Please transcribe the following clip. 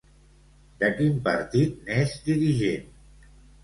De quin partit n'és dirigent?